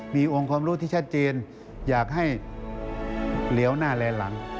มีองค์ความรู้ที่ชัดเจนอยากให้เหลียวหน้าแลนหลัง